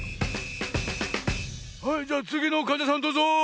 はいじゃあつぎのかんじゃさんどうぞ。